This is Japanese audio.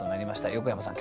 横山さん